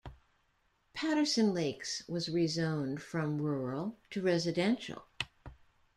Patterson Lakes was rezoned from rural to residential.